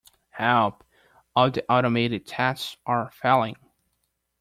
Help! All the automated tests are failing!